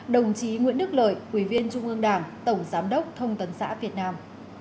đồng chí nguyễn đức lợi ủy viên trung ương đảng tổng giám đốc thông tấn xã việt nam